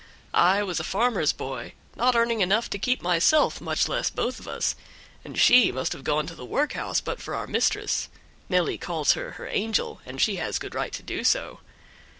I was a farmer's boy, not earning enough to keep myself, much less both of us, and she must have gone to the workhouse but for our mistress (Nelly calls her her angel, and she has good right to do so).